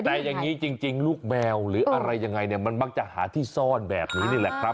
แต่อย่างนี้จริงลูกแมวหรืออะไรยังไงเนี่ยมันมักจะหาที่ซ่อนแบบนี้นี่แหละครับ